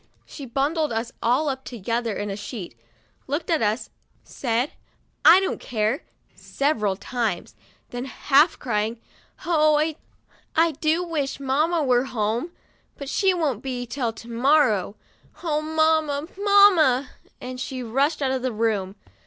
'* She bundled us all up together in the sheet, looked at us, said, " I don't care," several times ; then, half crying, "O, I do wish mamma were home; but she won't be till to morrow. Oh, mamma, mamma !' and rushed out of the room.